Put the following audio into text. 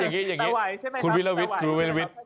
อย่างนี้อย่างนี้คุณวินวิทย์ณเอใช่ไหมครับ